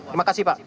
terima kasih pak